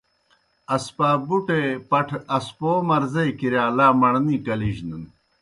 اسپابُٹے پٹھہ اسپو مرضے کِرِیا لا مڑنی کلِجنَن۔